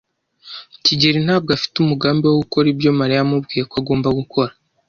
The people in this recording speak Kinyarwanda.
kigeli ntabwo afite umugambi wo gukora ibyo Mariya yamubwiye ko agomba gukora.